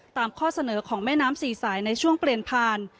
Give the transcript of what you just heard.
ข้อเสนอของแม่น้ำสี่สายในช่วงเปลี่ยนผ่าน